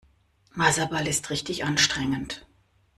Wasserball ist richtig anstrengend.